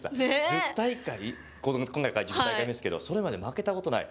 １０大会、今大会１０大会目ですけど、それまで負けたことない。